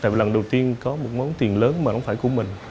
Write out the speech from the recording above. tại vì lần đầu tiên có một món tiền lớn mà không phải của mình